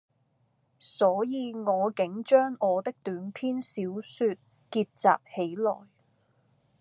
所以我竟將我的短篇小說結集起來，